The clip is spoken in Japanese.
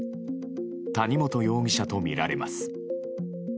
谷本容疑者とみられます。